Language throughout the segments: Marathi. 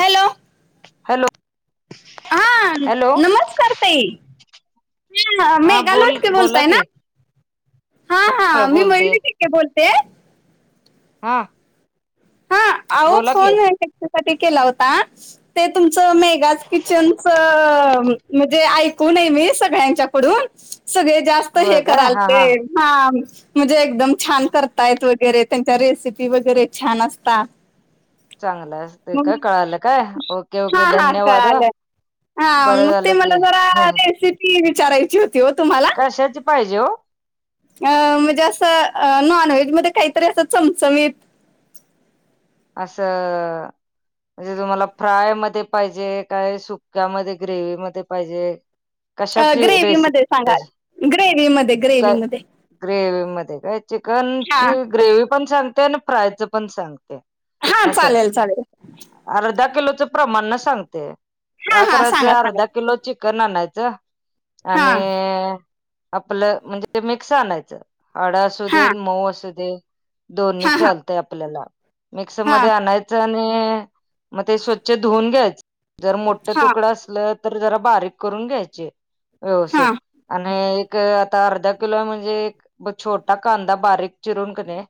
हॅलो. हॅलो. हा हॅलो नमस्कार ताई. हा ह मेगा बोल लोटके बोला बोलताय की ना? हा होय हां मी बोलते मयुरी बोलते. हां. हा अहो फोन ह्याच्यासाठी केला होता- ते तुमचं मेगाज किचनच म्हणजे ऐकू नये मी सगळ्यांच्याकडून सगळे जास्त हे होय काय कराल हा ते हा म्हणजे एकदम छान करतायेत वगैरे त्यांच्या रेसिपी वगैरे छान असत- ता चांगलं असतय, काय कळालं काय ओके -ओके हा हा धन्यवाद ह. कळालं हा बरं मग ते झालं मला की जरा रेसिपी विचारायची होती हो तुम्हाला. कशाची पाहिजे? अ म्हणजे असं नॉनव्हेजमध्ये काहीतरी असं चमचमीत असं म्हणजे तुम्हाला फ्राय मध्ये पाहिजे काय सुक्यामध्ये ग्रेवी मध्ये पाहिजे अ कशाची ग्रेव रेसिपी मध्ये सांगाल ग्रेव म ग्रेव मध्ये ग्रेव मध्ये काय हा चिकनची ग्रेवी पण सांगते आणि फ्रायच पण सांगते. हा असं चालेल चालेल अर्धा किलोच प्रमाण न सांगते हा काय हा करायचं सांगा सांगा अर्धा किलो चिकन आणायचं हा आणि, आपलं म्हणजे मिक्स आणायचं हाड असू हा देत मऊ असू देत. दोन्ही हा हा चालतय आपल्याला मिक्स हा मध्ये आणायचं. आणि, मग ते स्वच्छ धुऊून घ्यायचं जर मोठं हा तुकडं अस ल तर जरा बारीक करून घ्यायचे, व्यवस्थित हा आणि एक अर्धा किलो म्हणजे छोटा कांदा बारीक चिरून कानि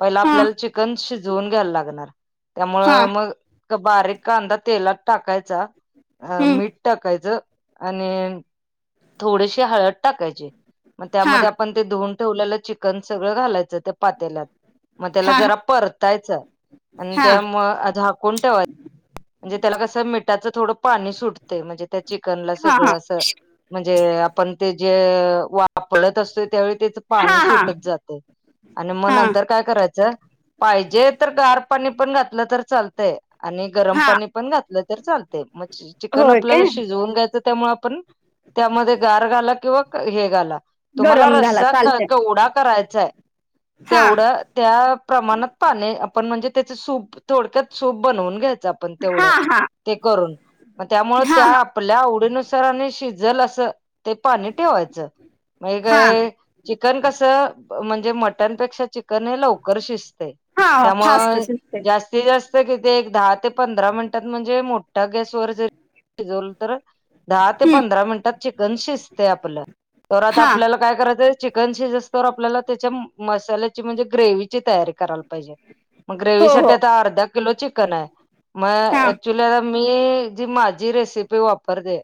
पहिला हा आपल्याला चिकन शिजवून घ्यायला लागणार त्यामुळ हा मग तो बारीक कांदा तेलात टाकायचा, अ हम्म मीठ टाकायचं. आणि थोडीशी हळद टाकायची मग हा त्यामध्ये आपण ते धुऊन ठेवलेलं चिकन सगळ घालायच त्या पातेल्यात मग त्याला हा जरा परत तायच आणि हा त्यामुळ, हा झाकून ठेवायचं. म्हणजे त्याला कसं मिठाचं थोडं पाणी सुटतय म्हणजे त्या चिकनला हा हा सगळं असं. म्हणजे आपण ते जे वाफळत असतोय त्यावेळी त्याच हा पाणी हा सुटत जातंत आणि मग हा नंतर काय करायचं पाहिजे तर गार पाणी पण घातलं तर चालतंय आणि गरम हा पाणी पण घातलं तर चालतत मग चिकन होय आपल्याला काय शिजवून घ्यायचं त्यामुळे आपण त्यामध्ये गार घाला किंवा हे घाला. तुम्हाला गरम घाला रस्सा चालते केवढा करायचाय हा तेवढं त्या प्रमाणात पाणी आपण म्हणजे त्याच सूप थोडक्यात सूप बनवून घ्यायचं आपण. हा तेवढं, हा ते करून मग त्यामुळे हा त्या आपल्या आवडीनुसारने शिजल असं ते पाणी ठेवायचं. मग हा एक चिकन कसं म्हणजे मटणपेक्षा चिकन चिकन हे लवकर शिजतंय हा फास्ट त्यामुळे शिजते जास्तीत जास्त किती एक दहा ते पंधरा मिनिटात म्हणजे मोठ्या गॅसवर जरी शिजवल तर दहा ते हम्म पंधरा मिनटात चिकन शिजतय आपलं, तवर आता हा आपल्याला काय करायच चिकन शिजोस्तर आपल्याला त्याच्या मसाल्याची म्हणजे ग्रेवची तयारी करायला - पाहिजे मग हो ग्रेवी हो साठी आता अर्धा किलो चिकन हाय. मग हा ऍक्चुली आता मी जी माझी रेसिपी वापरते-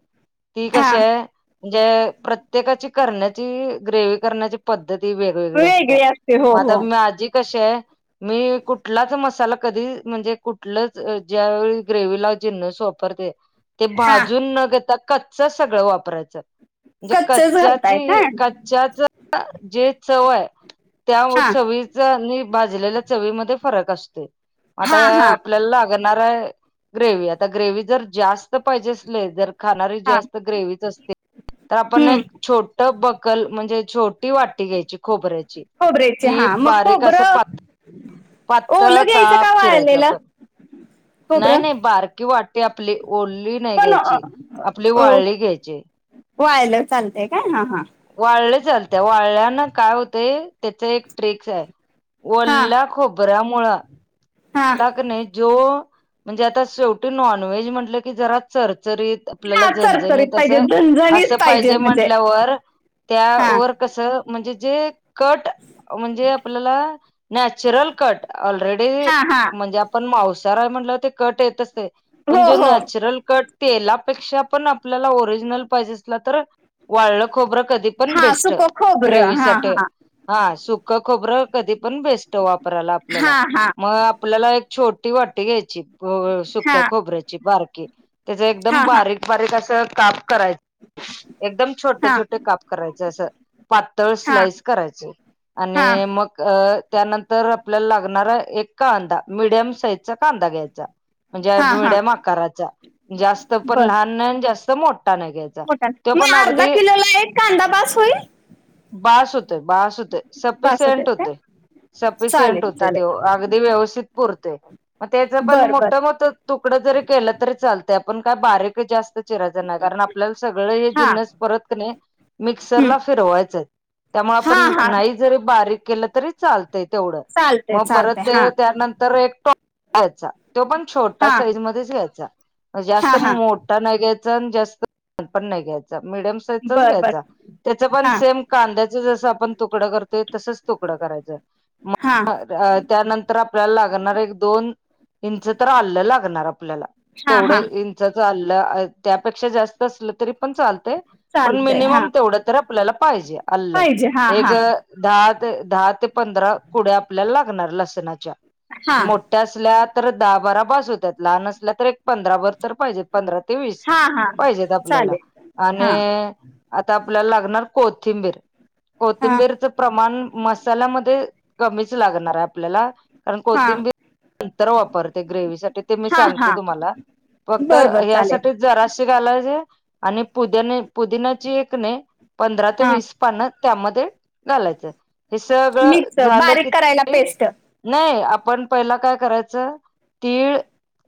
ती हा कशी आहे म्हणजे प्रत्येकाची करण्याची ग्रेवी करण्याची पद्धती ही वेग- वेगवेगळ्या असत्या वेगळी असते हो मग आता हो माझी कशी हाय - मी कुठलाच मसाला कधी म्हणजे कुठलंच ज्या वळी ग्रेव लावची न स वापरते ते हा भाजून न घेता कच सगळं वापरायचं म्हणजे कच्चेच घालताय का कच्च्याची कच्च्याच जे चव आहे त्या हा चवीचा आणि भाजलेल्या चवीमध्ये फरक असतो आता हा हा आपल्याला लाग ग्रे आता ग्रेवी जर जास्त पाहिजे असली तर खाणारी हा जास्त ग्रेवीच असते तर आपण हम्म एक छोट बकल म्हणजे छोटी वाटी घ्यायची खोबऱ्याची खोबरेचे ती हा मग बारीक असं खोबरं प पातळ ओलं घ्यायचं का काप चिरायचा वाळलेलं पण नाही खोबरं नाही बारकी वाटी आपली ओढली नाही पण घ्यायची आपली वाळली घ्यायची बायलेर चालतय काय हा हां वाळले चालत वाढल्यान काय होतेय त्याच एक ट्रिकस आहे हा वल्ला खबरा मुळां हा कणी जो म्हणजे आता शेवटी नॉनव्हेज म्हटलं जरा चरचरीत आपल्याला हा चरचरीत झणझणीत अस, पाहिजे झणझणीत असं पाहिजे म्हणजे म्हटल्यावर हा त्यावर कस म्हणजे जे कट- म्हणजे आपल्याला नॅचरल कट ऑलरेडी ह हा म्हणजे आपण मावसार हाय म्हणटल्यावर ते कट येत असतय हो पण जो हो नॅचरल कट तेलापेक्षा पण आपल्याला ओरिजिनल पाहिजे असला तर वाळलं खोबरं कधी पण हा बेस्ट सुक ग्रेवी खोबरं हा साठ हा हा सुक खोबरं कधी पण बेस्ट वापरायला आपल्याला. हा हा मग आपल्याला एक छोटी वाटी घ्यायची प हा सुक्या खोबऱ्याची बारकी त्याज एकदम हा हा बारीक बारीक अस काप कराय एकदम छोट हा छोट काप करायचे असं पातळ स्लाइस हा करायचय. हा आणि मग अ त्यानंतर आपल्याला लागणारा एक कांदा मिडियम साईजचा कांदा घ्यायचा. म्हणजे हा हा मिडीयम आकाराचा जास्त पण लहान नाय जास्त मोठा नाय घ्याय मोठ म अर्धा किलो ला एक कांदा बास होईल. बास होतं बास होतं. बास होतोय सफिशिंयट काय? होतय सफिशियंट चालेल होतय त्यो चालेल अगदी व्यवस्थित पुरतय. म त्याच पण बर बर मोठ मोठ तुकडं जरी केलं तरी चालतंय आपण काय बारीक जास्त चिरायच नाय कारण आपल्याला सगळ हे हा जिनस परत कनी हं. मिक्सरला फिरवायचंय. त्यामुळ हा आपण हा नाही जरी बारीक केलं तरी चालतय तेवढं चालतंय म परत चालतंय हा ते त्यानंतर एक टॉप घ्यायचा तो पण छोटा हा साईज मध्येच घ्यायचा. मं जास्त हा हा मोठ मोठा नाय घ्यायचा आणि जास्त पण नाय घ्यायचा मिडयम साईजचाच बर बर घ्यायचा त्याच पण हा सेम कांद्याच जस आपण तुकड करतोय तसच तुकडं करायच हा मग त्यानंतर आपल्याला लागणार एक दोन इंच तर आल्लं लागणार आपल्याला हा हा तेवढं इंचाचं आल्ल त्यापेक्षा जास्त असलं तरी पण चालतय पण चालतंय हा मिनीमम तेवढ तर आपल्याला पाहिजे आल्ल पाहिजे हा एक हा दहा ते दहा ते पंधरा कुड्या आपल्याला लागणार लसणाच्या हा मो ठ्या असल्या तर दहा बारा बास होत्यात लहान असल्या तर एक पंधराभर तर पाहिजेत पंधरा ते वीस हा हा पाहिजेत आपल्याला चालेल हा आणि आता आपल्याला लागणार कोथिंबीर हा कोथिंबीरच प्रमाण मसाल्यामध्ये कमीच लागणार आहे आपल्याला कारण हा कोथिंबीर नंतर वापरते ग्रेविसाठी ते मी हा सांगते हा तुम्हाला फक्त बर बर चालेल यासाठी जराशी घालायचे आणि पुदयाने पुदिनाची ये किनाय पंधरा ते हा वीस पान त्यामध्य घालायचं हे सगळं मिक्स झालं बारीक की, करायला पेस्ट नाही आपण पहिला काय करायचं तीळ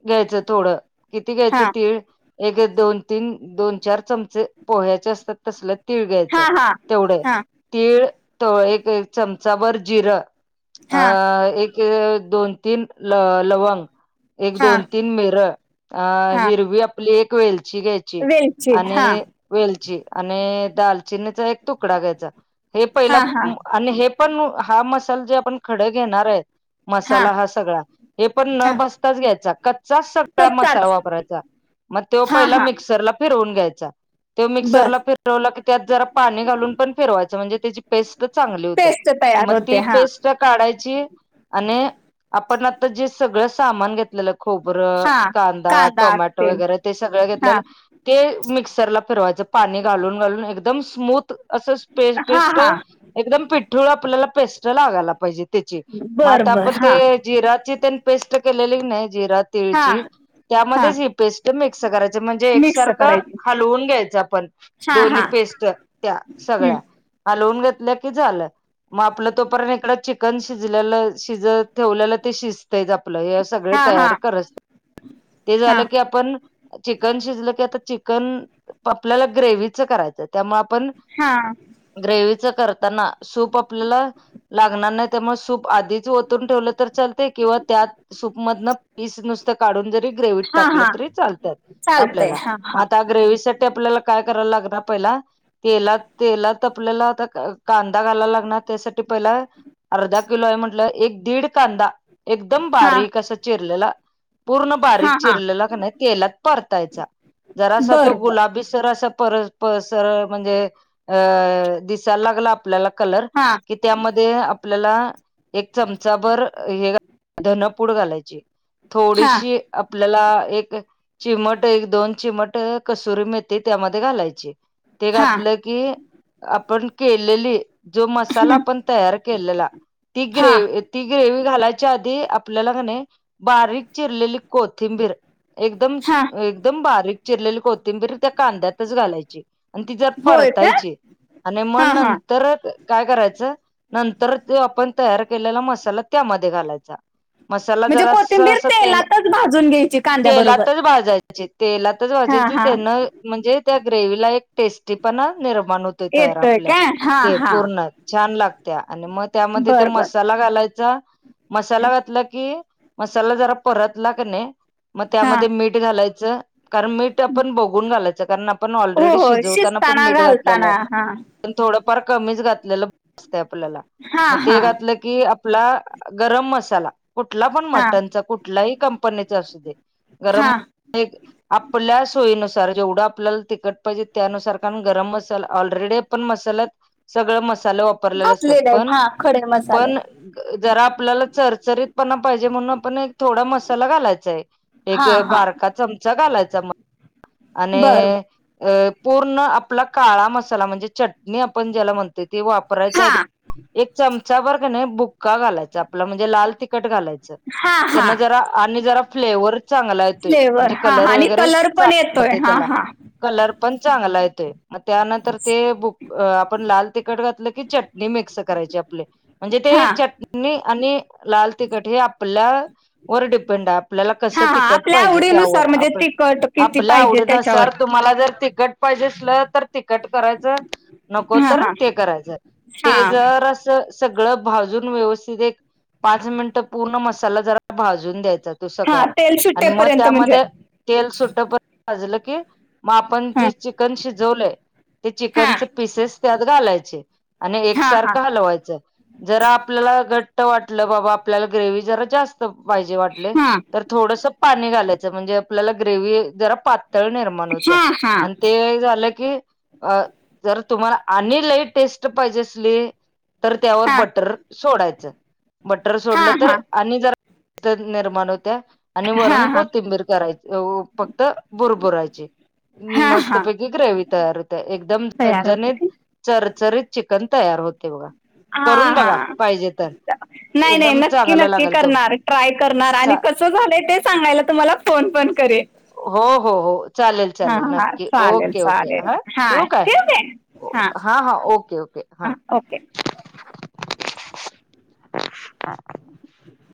घ्यायचं थोडं किती घ्यायचं हा तीळ एक दोन तीन दोन चार चमच पोह्याचे असतात तसल तीळ घ्यायचं हा हा तेवढं हा तीळ एक चमचाभर जिरं अ हा एक दोन तीन ल लवंग एक हा दोन तीन मिर अ हा हिरवी आपली एक वेल ची घ्यायची वेलची आणि हा वेलची आणि दालचिनीचा एक तुकडा घ्यायचा हे पहिला हा हा मं आणि हे पण हा मसाल जे आपण खडे घेणार ये मसाला हा सगळा हे पण न हा भसताच घ्यायचा कच्चाच सगळा मसाला कच्चाच वापरायचा. मग त्यो हा पहिला हा मिक्सरला फिरवून घ्यायचा. त्यो बर मिक्सरला फिरवला की त्यात जरा पाणी घालून पण फिरवायचं म्हणजे त्याची पेस्ट चांगली होत्या पेस्ट म तयार होते ती हा पेस्ट काढायची आणि आपण आता जे सगळं सामान घेतलेलं खोबरं, हा कांदा, टोमॅटो वगैरे ते सगळं हा घेतलेलं ते मिक्सरला फिरवायचं पाणी घालून घालून एकदम स्मूत असं पे हा पेस्ट हा एकदम पिठूळ आपल्याला पेस्ट लागायला पाहिजे. त्याची मग बर आता बर आपण हा ते जिराची त्या पेस्ट केलेली नाही जिरा हा तिळची. हा त्यामध्येच ही पेस्ट मिक्स करायची म्हणजे, मिक्स एकसारखं करायची हलवून घ्यायचं आपण. हा दोन्ही हा पेस्ट त्या हम्म सगळ्या हलवून घेतलं की झालं मग आपलं तो पर्य इक च कण शिजल्याल शिजत ठेवल्या ल. आपलं हे सगळे हा हा तयार कर ते हा झालं की आपण चिकन शिजलं की आता चिकन आपल्याला ग्रेवचं करायचं त्यामूळ आपण. हा. ग्रेवीच करताना सूप आपल्याला लागणार नाही. त्यामुळे सूप आधीच ओतून ठेवलं तर लते किंवा त्यात सूपमधन पीस नुसत काढून जरी ग्रेव. हा टाकलं हा तरी चालतात चालतय आपल्याला हा मग हा आता ग्रेव साठी आपल्याला काय करायला लागणार पहिला तेला तेला तपलेला आता कांदा घालायला लागणार त्यासाठी पहिला. अर्धा किलो आहे. म्हटलं एक दीड कांदा एकदम हा बारीक असं चिरलेला पूर्ण हा बारीक हा चिरलेला का नाही, तेलात परतायचा जरा तो बर बर गुलाबी सर असं परत स म्हणजे अ दिसायला लागला आपल्याला कलर हा क. त्यामध्ये आप आपल्याला एक चमचा भर हे धनपूड घालायची हा थोडीशी आपल्याला एक. चिमट एक दोन चिमट कसुरी मेथी त्यामध्ये घालायची. ते हा घातलं की आपण केलेली जो मसाला आपण तयार. के ती हा ग्रेव ती ग्रेव घालायच्या आधी आपल्याला. बारीक चिरलेली कोथिंबीर एकदम, हा एकदम बारीक चिरलेली कोथिंबीर. त्या कांद्यातच घालायची आणि ती जर होय का परतायची आणि मग हा न हा तर काय करायचं. नंतर जो आपण तयार केलेला मसाला त्यामध्ये घालायचा. मसाला म्हणजे जरा अस, कोथिंबीर अस तेल तेलातच भाजून घ्यायची कांद्या बरोबर तेलातच भाजायच तेलातच हा वाजयची हा त्यान, म्हणजे त्या ग्रेवला एक टेस्टी पणा नि मानवते तयार येतोय आपल्या काय हा ते हा पूर्ण छान लागत्या आणि मग त्यामध्ये ते बर बर मसाला घालायचा मसाला घातला की. मसाला जरा परतला क नाही मग हा त्यामध्ये मीठ झालायचं, कारण मीठ ते आपण बघून घालायचं कारण आपण हो ऑलरेडी हो शिजवताना पण शिजताना मीठ घातलेलं घालताना आहे. हा पण थोडंफार कमीच घातलेलं. असते आपल्याला हा मग ते हा घातलं की आपला गरम मसाला कुठला पण हा मटणचा कुठलाही कंपनीच असू दे गरम. हा आपल्या सोयीनुसार जेवढं आपल्याला तिखट पाहिजे त्यानुसार कारण गरम मसाला ऑलरेडी मत सग मसाला सगळ मसल वाप घातलेले आहेत हा खडे मसाले जरा आपल्याला चरचरीतपणा पाहिजे म्हणून आपण एक थोडा मसाला घालायचाय. एक हा हा बारका चमचा घालायचा मग आणि बर बर अ पूर्ण आपला काळा मसाला म्हणजे चटणी आपण ज्याला म्हणते तेी वापरायच्या हा आधी एक चमचावरर का नाही बुक्का घालायच आपलं म्हणजे लाल तिखट घालायचं. हा हा त्यांना जरा आणि जरा फ्लेवर चांगला येतोय फ्लेवर म्हणजे हा कलर हा आणि वगैरे कलर पण येतोय ते हा त्याला हा कलर पण चांगला येतोय मग त्यानंतर ते बुक आपण लाल तिकट घातलं. च मिक्स करायची आप म्हणजे ते हा आणिनी लाल ती कट अपला व डीपंडा आपल्याला कस हा त हा कट आपल्या पाहिजे, त्यावर आवडीनुसार म्हणजे आप तिखट किती आपल्या पाहिजे आवडीनं त्याच्यावर सर तुम्हाला जर त कट पाहिजे असल तर तखट करायचं, नको हा तर हा ते करायचं. हा ते जर अस सगळं भाजून व्यवस्थित एक पाच मिनटं पूर्ण मसाला जरा भाजून द्यायचा. तो हा सगळा तेल आणि मग सुटेपर्यंत म्हणजे त्यामध्ये तेल सुट्ट प भाजलं की मग आपण हा जे चिकन शिजवलंय ते हा चिकनचे पिसेस त्यात घालायचे. आणि हा हा एकसारखा हलवायचं. जरा आपल्याला घट्ट वाटलं बाबा आपल्याला ग्रेव जरा जास्त पाहिजे वाटले हा तर थोडस पाणी घालायचं म्हणजे आपल्याला ग्रेवही जरा पातळ हा हा तुम पाहिजे अस तर त्यावर हा बटर सोडायचं. मटर हा सोडलं तर हा आणि जरा निर्माण होत्या आणि हा वरून हा कोतिंबीर करायच. फक्त बुरबुराचे हा हा मस्तपैकी ग्रेवी तयार हो. एकदम तयार होत झनजणीत की चरचरीत चिकन तयार होते बघा. हा करून हा बघा पाहिजे तर नाही नाही एकदम नक्की चांगला नक्की लागल तो करणार ट्राय करणार आणि चा झालंय ते सांगायला तुम्हाला फोन पण करे हो हो हो चालेल चालेल नक्की ओके ओके हा ठेवू काय? हा हा ओके ओके ह. हां ओके. हा. ह.